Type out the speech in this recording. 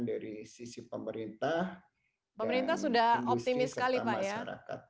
dari sisi pemerintah dan industri serta masyarakat